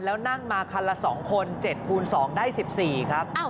แล้วนั่งมาคันละ๒คน๗คูณ๒ได้๑๔ครับ